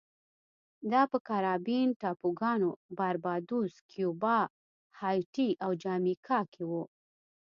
دا په کارابین ټاپوګانو باربادوس، کیوبا، هایټي او جامیکا کې و